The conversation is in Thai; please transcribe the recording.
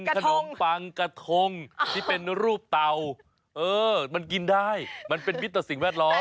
กระทงที่เป็นรูปเต่ามันกินได้มันเป็นวิธีตัวสิ่งแวดล้อม